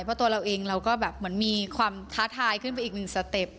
เพราะตัวเราเองเราก็แบบเหมือนมีความท้าทายขึ้นไปอีกหนึ่งสเต็ป